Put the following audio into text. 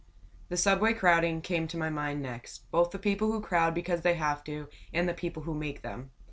The subway crowding came to my mind next; both the people who crowd because they have to, and the people who make them.